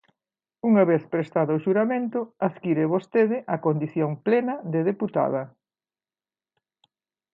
Unha vez prestado o xuramento adquire vostede a condición plena de deputada.